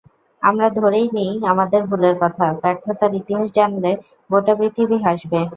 আমরা ধরেই নিই আমাদের ভুলের কথা, ব্যর্থতার ইতিহাস জানলে গোটা পৃথিবী হাসবে।